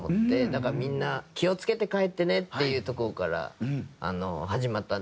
だからみんな気を付けて帰ってねっていうところから始まったんですけど。